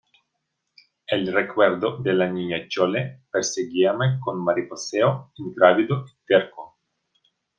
el recuerdo de la Niña Chole perseguíame con mariposeo ingrávido y terco.